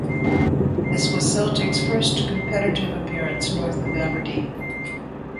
This was Celtic's first competitive appearance north of Aberdeen.